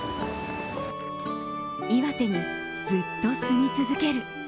岩手にずっと住み続ける！